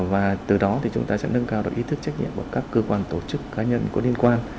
và từ đó thì chúng ta sẽ nâng cao được ý thức trách nhiệm của các cơ quan tổ chức cá nhân có liên quan